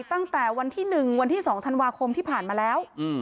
ตั้งแต่วันที่๑วันที่๒ธันวาคมที่ผ่านมาแล้ว